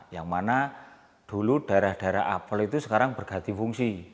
yang mana dulu daerah daerah apel itu sekarang berganti fungsi